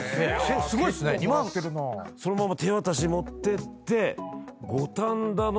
すごい！そのまま手渡し持ってって。